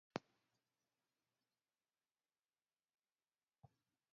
They must prove by the criteria above that the person is in fact dead.